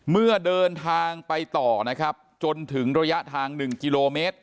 เมื่อเดินทางไปต่อนะครับจนถึงระยะทาง๑กิโลเมตร